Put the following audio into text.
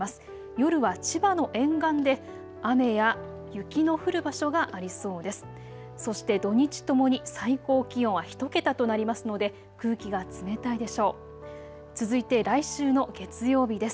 夜は千葉の沿岸で雨や雪の降る場所がありそうです。